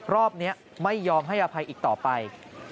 รอบนี้ไม่ยอมให้อภัยอีกต่อไป